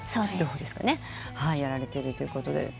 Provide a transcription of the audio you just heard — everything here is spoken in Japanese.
両方やられてるということで。